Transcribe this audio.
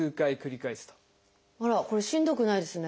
あらこれしんどくないですね。